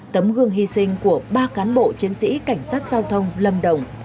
tấm gương hy sinh của ba cán bộ chiến sĩ cảnh sát giao thông lâm đồng